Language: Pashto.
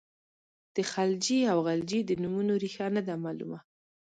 د خلجي او غلجي د نومونو ریښه نه ده معلومه.